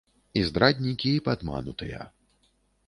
І здраднікі, і падманутыя.